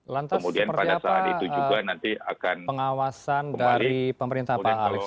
lantas seperti apa pengawasan dari pemerintah pak alex